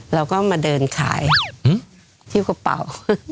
เราก็มาเดินขายที่กระเป๋า